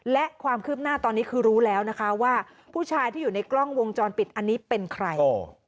และความคืบหน้าตอนนี้คือรู้แล้วนะคะว่าผู้ชายที่อยู่ในกล้องวงจรปิดอันนี้เป็นใคร